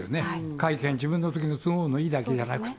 会見、自分のときの都合のいいだけじゃなくて。